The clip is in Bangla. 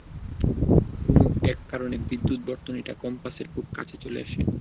কোনো এক কারণে বিদ্যুৎ বর্তনীটা কম্পাসের খুব কাছে চলে আসে।